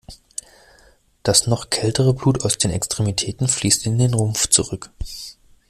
Das noch kältere Blut aus den Extremitäten fließt in den Rumpf zurück.